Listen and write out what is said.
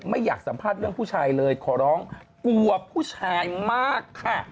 ไม่อยากสัมภาษณ์เรื่องผู้ชายเลยขอร้องกลัวผู้ชายมากค่ะ